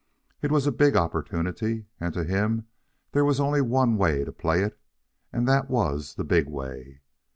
It was a big opportunity, and to him there was only one way to play it, and that was the big way.